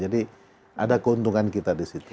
jadi ada keuntungan kita di situ